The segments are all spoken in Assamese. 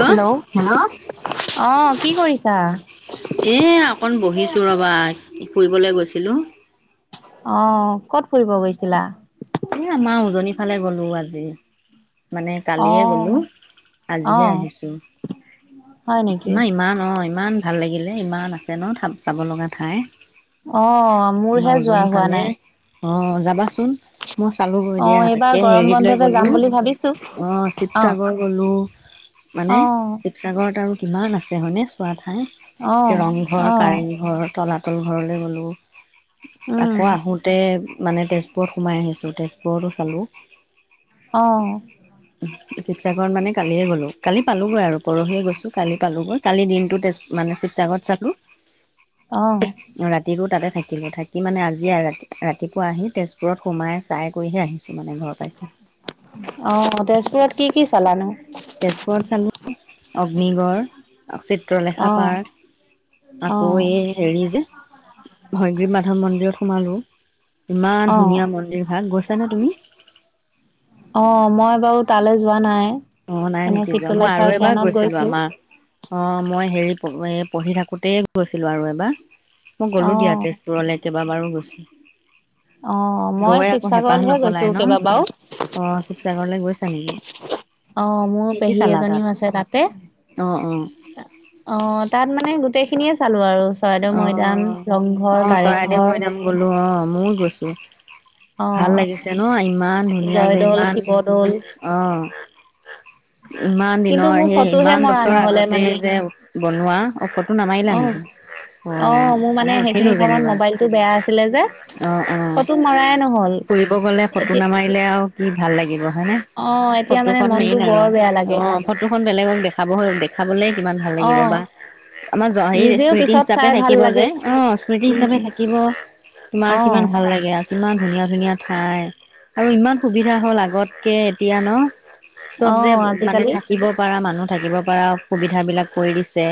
হেল্ল' হেল্ল' অ কি কৰিছা এ অকন বহিছো ৰবা ফুৰিবলৈ গৈছিলোঁ অ ক'ত ফুৰিব গৈছিলা? এ আমাৰ উজনি ফালে গলো আজি মানে অ কালিয়ে গলো অ আজিহে আহিছো হয় নেকি? ইমান ইমান অ ইমান ভাল লাগিলে ইমান আছে ন চাব লগা ঠাই অ আমাৰ মোৰহে যোৱা উজনী হোৱা কালে নাই। অ যাবাচোন চালোগৈ অ দিয়া এইবাৰ এ গৰম হেৰি পলে বন্ধতে যাম গলো বুলি ভাবিছো। অ অ শিৱসাগৰ গলো মানে অ শিৱসাগৰত আৰু কিমান আ আছে হয়নে চোৱাত অ সেই ৰংঘৰ অ কাৰেংঘৰ তলাতল তল ঘৰলৈ গ'লোঁ উম আকৌ আহোতে মানে তেজপুৰত সোমাই আহিছে তেজপুৰতো চালোঁ অহ শিৱসাগৰত মানে কালিয়ে গলো কালি পালোঁগৈ আৰু পৰহিয়ে গৈছোঁ কালি পালোঁগৈ কালি দিনটো তেজ মানে শিৱসাগৰত চালোঁ অ ৰাতিতো তাতে থাকিলে থাক সিমানে আজি ৰাতি ৰাতিপুৱা আহি তেজপুৰত সোমাই আ চাই কৰিহে আহিম অ তেজপুৰত কি কি চলানো তেজপুৰত চালোঁ অগ্নিগড়, চিত্ৰলেখা অ পাৰ্ক অ আকৌ এই হেৰি যে হয়গ্ৰী মাধৱ মন্দিৰত সমাৰোঁ ইমান অ ধুনীয়া মন্দিৰ ভাগ গৈছা নে তুমি? অ মই বাৰু তালৈ যোৱা নাই অ নাই এনে নেকি যোৱা মই চিত্ৰলেখা আৰু এবাৰ উদ্যানত গৈছিলো গৈছো। আমাৰ অ মই হেৰিত এ পঢ়ি থাকোতেই গৈছিলো আৰু এবাৰ মই অ গ'লো দিয়া তেজপুৰলৈ একেবাৰে। কব বাৰো অ গৈছোঁ। মই গৈ আকৌ হেঁপাহ শিৱসাগৰলৈহে গৈছো নপলাই ন কেইবাবাৰো। অ শিৱসাগৰলৈ গৈছা নেকি? অ মোৰ কি কি পেহী চালা তাত এজনীও আছে তাতে অ অহ। তাত মানে গোটেই খিনিয়ে চালো আৰু। চৰাইদেউ অ অ মৈদাম ৰংঘৰ কাৰেংঘৰ। মই গৈছোঁ। ভাল অ', লাগিছে ন ইমান ধুনীয়া যে জয়দৌল, ইমান শিৱদৌল অ ইমান কিন্তু দিনৰ মোৰ সেই ফটোহে ইমান মৰা বছৰ নহ'লে আগতে মানে যে। বনোৱা ঔষধ। ফটো নামাৰিলা অ', নেকি? অ মোৰ মানে মই উঠিলো সেইখিনি সময়ত যেনিবা মোবাইলটো বেয়া আছিলে যে অ অ ফটো মৰাই নহ'ল। ফুৰিব গলে ফটো এতিয়া নামাৰিলে। আৰু কি ভাল লাগিব। হয় নে? অ', এতিয়া মানে ফটোখন মনটো মেইন আৰু বৰ বেয়া অ লাগে। ফটোখন বেলেগক দেখাব দেখাবলে কিমান ভাল লাগিব অ', বা আমাৰ জ নিজেও সেই। পিছত হিচাপে চাই ভাল থাকিব লাগে। যে অ স্মৃতি উম, হিচাপে থাকিব তোমাৰ কিমান অ', ভাল লাগে আৰু। ইমান ধুনীয়া ধুনীয়া ঠাই আৰু ইমান সুবিধা হ'ল আগতকে এতিয়া ন। চব যে অ', মানে আজিকালি থাকিব পাৰা মানুহ। থাকিব পৰা সুবিধাবিলাক কৰি দিছে।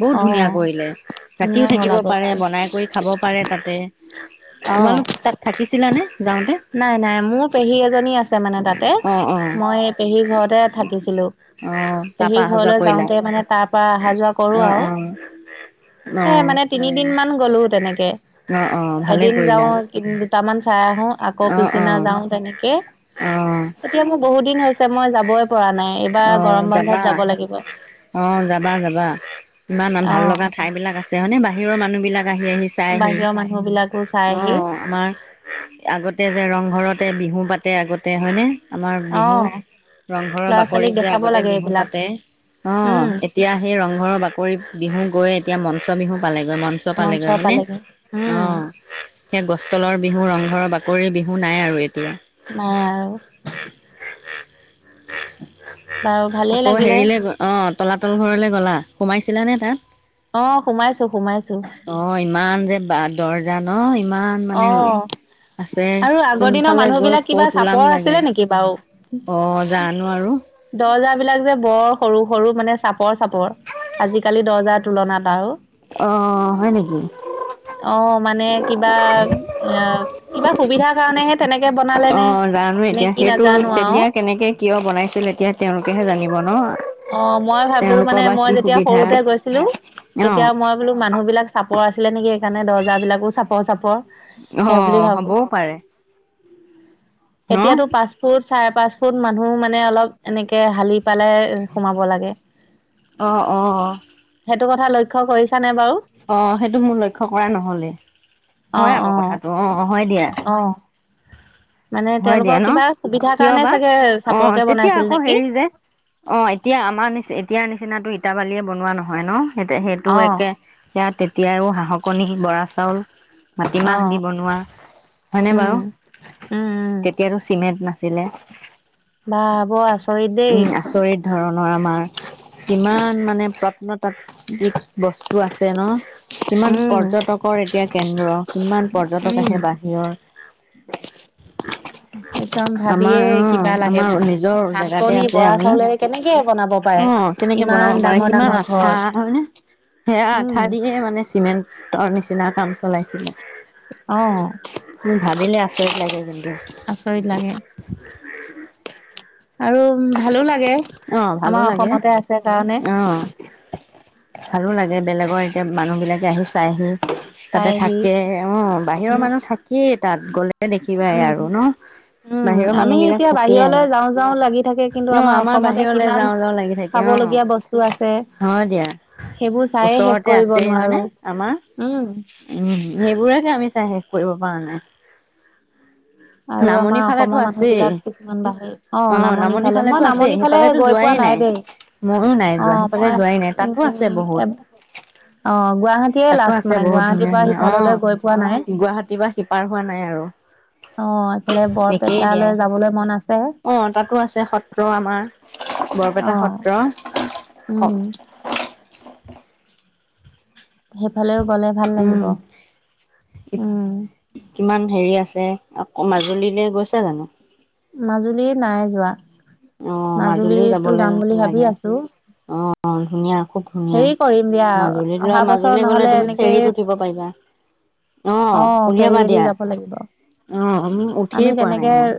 বহুত অহ ধুনীয়া ৰাতিও থাকিব পাৰে বনাই কৰি খাব পাৰে তাতে। অহ তোমালোক তাত থাকিছিলানে যাওঁতে নাই নাই মোৰ পেহী এজনী আছে মানে তাতে অ', অ', মই পেহীৰ ঘৰতে থাকিছিলো, অ', তাৰপা পেহীৰ অহা যোৱা ঘৰলৈ কৰিলা যাওঁতে মানে তাৰ পৰা অহা যোৱা কৰো অ', আৰু। অ', এ অ', মানে তিনিদিন মান গ'লো ত। তেনেকে। অ', অ', ভালেই এদিন যাও কৰিলা দুটামান চাই আহো। আকৌ অ', পিছদিনা অ', যাও তেনেকে অ', এতিয়া মোৰ বহুত দিন হৈছে মই যাবই পৰা নাই এইবাৰ গৰম অ', বন্ধত যাবা যাব লাগিব অহ। অ', যাবা যাবা ইমান ভাল লগা ঠাইবিলাক আছে হয়নে বাহিৰৰ মানুহবিলাক। আহি আহি চাইহি বিলাকো চাই অ আহি আমাৰ। আগতে যে ৰংঘৰতে বিহু পাতে আগতে হয়নে? আমাৰ অ বিহু ৰংঘৰৰ ল'ৰা ছোৱালীক বাকৰিত যে দেখাব আগতে লাগে বিহু এইবিলাক পাতে অ উম এতিয়া সেই ৰংঘৰৰ বাকৰিত বিহু গৈ। এতিয়া মঞ্চবিহু। পালেগৈ মঞ্চ পালেগৈ হয়নে? পালেগে অ উম সেই ফালে গছতলৰ বিহু। ঘৰৰ বা [unintelligible] বাকৰি বিহু নাই আৰু ই নাই আৰু বাৰু ভালেই আকৌ লাগিলে হেৰিলে গল অ' তলাতল ঘৰলে। গলা সোমাইছিলা নে তাত। অহ সোমাইছো সোমাইছো। অ ইমান যে বা দৰ্জা নাই। ইমান অ মানে আছে আৰু আগৰ দিনৰ কোনফালে মানুহ গৈ বিলাক কিবা ক'ত ওলাম চাপৰ লাগে আছিলে নেকি বাৰু? অ জানো আৰু দৰ্জা বিলাক যে বৰ সৰু সৰু মানে চাপৰ চাপৰ আজিকালি দৰ্জাৰ তুলনাত আৰু অ হয় নেকি অ' মানে কিবা এ কিবা সুবিধাৰ কাৰনেহে হে অ' জানো এতিয়া সেইটো নাজানো আৰু তেতিয়া কেনেকে কিয় বনাইছিলে। এতিয়া তেওঁলোকেহে জানিব ন অ' মই ভাবো তেওঁলোকৰ মানে বা কি মই যেতিয়া সুবিধা সৰুতে গৈছিলো অ তেতিয়া মই বোলো মানুহ বিলাক। চাপৰ আছিলে নেকি সেইকাৰণে দৰ্জাবিলাকো চাপৰ চাপৰ সেই বুলি অ' ভাবো হ'বও পাৰে। ন এতিয়াতো পাঁচফুট চাৰে পাচ ফুট মানুহ মানে অলপ এনেকে হালি পালে। সোমাব লাগে। অ' অ' এইটো কথা লক্ষ্য কৰিছা নে বাৰু? অ' সেইটো মোৰ লক্ষ্য কৰা নহলেই হয় অ', আকৌ অ', কথাটো অ' হয় দিয়া। অ', মানে হয় দিয়া তেওঁলোকৰ ন কিবা সুবিধাৰ কিয় কাৰণে বা চাগে অ' চাপৰকে তেতিয়া বনাইছিল আকৌ নেকি? হেৰি যে অ' এতিয়া আমাৰ নিচিনা এতিয়া। নিচিনা টো ইটা বালিয়ে বনোৱা নহয় ন? সেই সেইটো অ', একে ইয়াত তেতিয়াও হাঁহৰ কণী বৰা চাউল। মাটিমাহ অ', দি বনোৱা হয়নে উম, বাৰু উম, উম, তেতিয়াতো চিমেণ্ট নাছিলে। ছিলিলে [unintelligible] বাহ বৰ আচৰিত। দেই। উম আচৰিত ধৰণৰ আমাৰ। কিমান মানে প্ৰত্ন তাত্ত্বিক দিশ বস্তু আছে ন কিমান উম, পৰ্যটকৰ এতিয়া কেন্দ্ৰ কিমান পৰ্যটক উম, আহে বাহিৰৰ। [unintelligible] একদম আমাৰ ভাবিয়ে কিবা অ' লাগে আমাৰ মানে। নিজৰ জেগাত শাকনি আছে বৰা আমি চাউলেৰে কেনেকে বনাব পাৰে? অ' কেনেকে ইমান বনাব পাৰে ডাঙৰ কিমান ডাঙৰ আঠা ঘৰ। হয়নে সেয়া উম, আঠা দিয়ে মানে চিমেণ্টৰ নিচিনা। অ [unintelligible] চলাইছিল অ', মোৰ ভাবিলে আচৰিত লাগে আৰু ভালো লাগে অ ভালো আমাৰ লাগে অসমতে আছে কাৰণে অ ভালো লাগে বেলেগৰ এতিয়া মানুহ বিলাকে আহি চাই আহি। তাতে চাইহি থাকে অ' বাহিৰৰ উম মানুহ থাকেই। তাত গ'লে দেখিবাই উম আৰু ন উম বাহিৰৰ মানুহ আমি বিলাক এতিয়া থাকেই বাহিৰলৈ আৰু যাঁ‌ও যাঁ‌ও লাগি থাকে কিন্তু অ আমাৰ অসমত এক বাহিৰলে যাওঁ যাওঁ লাগি থাকে অ' আছে হয় দিয়া সেইবোৰ চায়ে শেষ ওচৰতে কৰিব আছে হয় নোৱাৰো নে আমাৰ উম উ সেইবোৰে চাই শেষ কৰিব পৰা নাই। আৰু নামনি আমাৰ ফালেতো অসমৰ মানুহ আছেই বিলাক কিছুমান বাাহিৰ অ নামনি ফালে মই নামনি ফালে। সিফালেতো গৈ যোৱাই পোৱা নাই দেই ময়ো নাই অ যোৱা সিফালে মই যোৱাই নাই তাতো আছে বহুত উম অ গুৱাহাটীয়ে তাতো লাষ্ট আছে মানে বহুত গুৱাহাটীৰ ধুনীয়া পৰা ধুনীয়া সিফাললৈ অ' গৈ পোৱা নাই গুৱাহাটী পা সিপাৰ হোৱা নাই আৰু আহ এইফালে একেই দিয়া বৰপেটালৈ যাবলৈ মন আছে। অ তাতো আছে সত্ৰ আমাৰ বৰপেটা অ', সত্ৰ। উম, কওক সেইফালেও গ'লে ভাল উম লাগিব। উম, কিমান হেৰি আছে। আকৌ মাজুলীলে গৈছা জানো? মাজুলীয়ে নাই যোৱা? আহ মাজুলীও মাজুলীতো যাবলৈ যাম বুলি ভাবি লাগে আছো। আহ ধুনীয়া, খুব ধুনীয়া হেৰি কৰিম দিয়া মাজুলী লৈ অহা বছৰ মাজুলী গ'লে নহ'লে তুমি এনেকে ফেৰীত উঠিব পাৰিবা আহ অ', উলিয়াবা ফেৰীয়েদি দিয়া। যাব লাগিব। আহ আমি উঠিয়েই পোৱা নাই তেনেকে মই।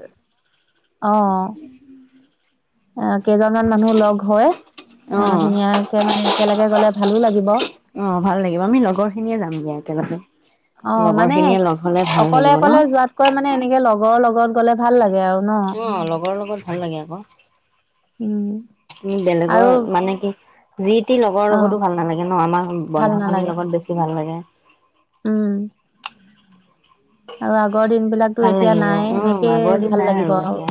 অ' কেইজনমান মানুহ লগ হয় অ' ধুনীয়াকে মানে একেলগে গ'লে। ভালো লাগিব। অ' ভাল লাগিব আমি লগৰ খিনিয়ে যাম দিয়া একেলগে অ', লগৰ মানে খিনিয়ে লগ হ'লে ভাল অকলে লাগিব ন। ক'লে ভাল লাগে। আৰু ন? অ' লগৰ লগত ভাল লাগে আক উম, আৰু বেলেগৰ মানে কি? যি টি লগৰ অ', লগতো ভাল নালাগে ন আমাৰ ভাল বন্ধুখিনিৰ নালাগে। লগত বেছি ভাল লাগে। উম আৰু আগৰ দিন বিলাকতো ভাল এতিয়া লাগিব নাই উম আগৰ এনেকেই দিন ভাল নাই লাগিব আৰু এতিয়া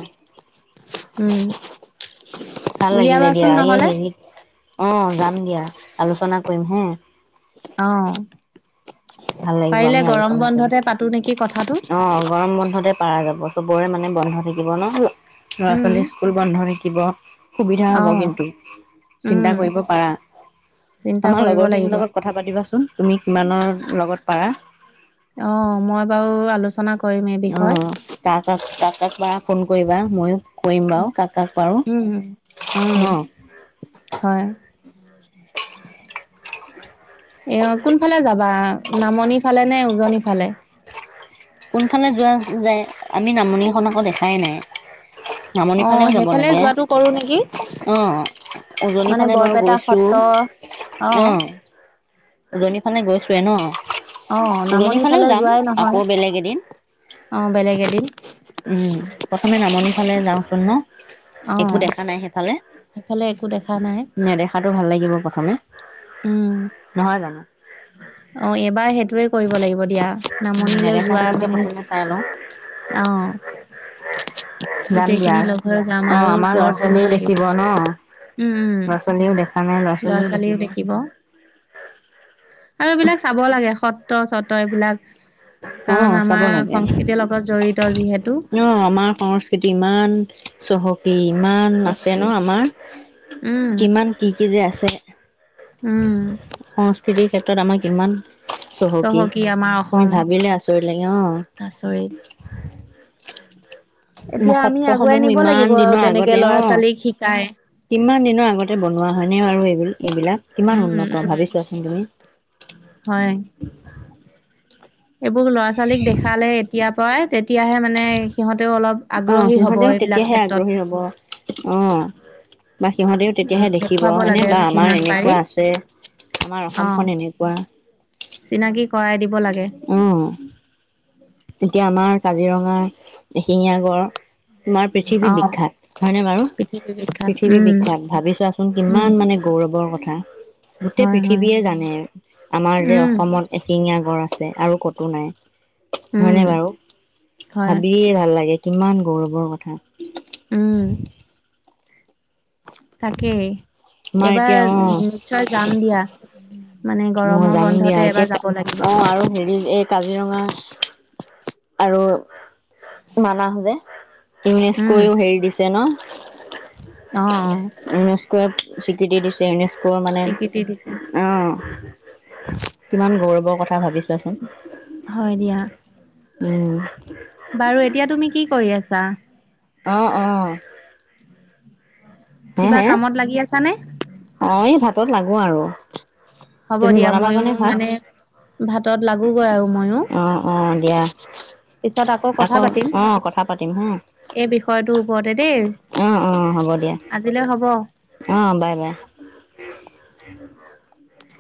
উম ভাল লাগিলে দিয়া উলিয়াবাচোন এই নহ'লে। হেৰিত অ' যাম দিয়া। আলোচনা কৰিম হে অ' ভাল লাগিব পাৰিলে আমি গৰম আলোচনা কৰিম। বন্ধতে পাতো নেকি কথা। অ' গৰম বন্ধতে পাৰা যাব চবৰে মানে। মানে বন্ধ থাকিব ন। ল'ৰা উম, ছোৱালী স্কুল বন্ধ নেকি। গৰমত। সুবিধা হ'ব অ', কিন্তু চিন্তা উম, কৰিব পাৰা চিন্তা আমাৰ কৰিব লগৰখিনিৰ লাগিব লগত কথা পাতিবাচোন তুমি কিমানৰ লগত পাৰা। অ' মই বাৰু আলোচনা কৰো। উম কাক কাক পাৰু। ফোন কৰিবা ময়ো। কৰিম বাৰু কাক কাক উম, উম, পাৰো অ'। হয় এ অ' কোনফালে যাবা? নামনি ফালে নে উজনিৰ ফালে। কোনফালে যোৱা যায় আমি নামনিখন আকৌ দেখাই নাই। নামনি অ' ফালেও যাব সেইফালে লাগে যোৱাটো কৰো নেকি অ উজনি মানে ফালে বাৰু বৰপেটা গৈছো সত্ৰ অ'। উজনি ফালে গৈছোৱে ন? অ' উজনি নামনি ফালেও ফালে যাম যোৱাই আকৌ নহয়। বেলেগ এদিন উম অ', বেলেগ এদিন প্ৰথমে নামনি ফালে যাওঁচোন ন। অ একো দেখা নাই সেইফালে সেইফালে একো দেখা নাই নেদেখাতো ভাল লাগিব কথা। [unintelligible] উম নহয় জানো। অ' এবাৰ সেইটোৱে কৰিব লাগিব। এতিয়া উম নামনিলৈ নেদেখা যোৱা খিনিকে প্ৰথমে চাই লওঁ মানে আহ যাম দিয়া গোটেইখিনি লগ হৈ যাম অ আৰু আমাৰ ল'ৰা বৰ ছোৱালীও ধুনীয়া দেখিব লাগিব উম উম। আমাৰ ল'ৰা ছোৱালীও দেখিব। আৰু এইবিলাক চাব লাগে সত্ৰ। চত এইবিলাক। অ কাৰণ চাব আমাৰ লাগে সংস্কৃতিৰ লগত জড়িত যিহেতু। অ আমাৰ সংস্কৃতি ইমান চহক। তি কিমান আছে চহকী ন আমাৰ উম কিমান কি কি যে আছে। হয় [unintelligible] উম সংস্কৃতিৰ ক্ষেত্ৰত আমাক। কিমান। চহকী আমাৰ তুমি অসম ভাবিলে আচৰিত লাগে আচৰিত অ। [unintelligible] এতিয়া আমি আগুৱাই সত্ৰসমূহো নিব লাগিব ইমান আৰু দিনৰ তেনেকে আগতে ল'ৰা অ ছোৱালীক শিকাই কিমান দিনৰ আগতে বনোৱা হয় ।নে আৰু এই এইবিলাক কিমান উম উন্নত উম ভাবিচোৱাচোন হয় তুমি। এইবোৰ ল'ৰা ছোৱালীক দেখালে এতিয়া পৰাই। তেতিয়াহে মানে সিহঁতেও অলপ। অ আগ্ৰহী হ'ব সিহতেও এইবিলাক তেতিয়াহে ক্ষেত্ৰত আগ্ৰহী হব অ। অ। বা সিহঁতেও উ তেতিয়াহে দেখিব দেখুৱাব হয়নে লাগে বা আমাৰ যিমান পাৰি এনেকুৱা আছে আমাৰ অ অসমখন এনেকুৱা চিনাকি কৰাই দিব লাগে উ। এতিয়া আমাৰ কাজিৰঙা এশিঙীয়া গড়। তোমাৰ পৃথিৱী অ বিখ্যাত হয়নে বাৰু পৃথিৱী বিখ্যাত পৃথিৱী উম বিখ্যাত ভাবি চোৱাচোন উম কিমান মানে গৌৰৱৰ কথা। চ [unintelligible] গোটেই হয় হয় পৃথিৱীয়ে জানে আমাৰ যে উম অসমত এশিঙীয়া। গঁড় আছে আৰু কতো নাই। উম হয়নে বাৰু হয় ভাবিয়ে ভাল লাগে। কিমান গৌৰৱৰ কথা। উম। তাকে তোমাৰ এতিয়া এইবাৰ নিশ্চয় যাম দিয়া। মানে অ গৰমৰ যাম দিয়া বন্ধতে এবাৰ এতিয়া যাব লাগিব অ আৰু হেৰি এই। কাজিৰঙা আৰু মানাহো যে। উম ইউনেস্কোয়ও হেৰি দিছে ন। অ, অ। ইউনেস্কো। কত স্বীকৃতি দিছে। মানে স্বীকৃতি দিছে কিমান গৌৰৱ। কথা ভাবিছো। হয় দিয়া উম। চাহ। আহ আহ কিবা কামত লাগি আছা নে? অ' এই ভাতত লাগো আৰু। হ'ব তুমি দিয়া বনাবা ময়ো কাৰণে ভাত মানে ভাতত লাগোগৈ আৰু মইয়ো অ অ দিয়া পিছত আকৌ কথা পাতিম, অ কথা পাতিম হা এই বিষয়টোৰ ওপৰতে দেই অ অ হ'ব দিয়া আজিলৈ হ'ব। তে [unintelligible]